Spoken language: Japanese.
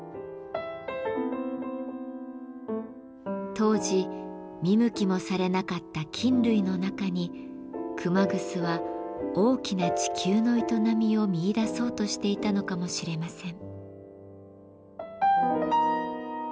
当時見向きもされなかった菌類の中に熊楠は大きな地球の営みを見いだそうとしていたのかもしれません。